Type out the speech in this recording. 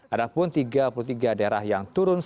ada pun tiga puluh tiga daerah yang turun